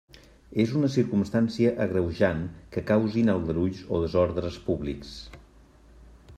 És una circumstància agreujant que causin aldarulls o desordres públics.